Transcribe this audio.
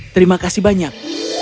terima kasih banyak